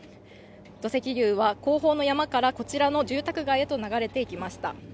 土石流は後方の山からこちらの住宅街へと流れていきました。